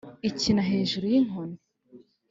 Ikina hejuru y’inkoni,